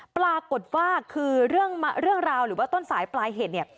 ปรากฏว่าคือเรื่องราวหรือว่าต้นสายปลายเหตุเนี่ย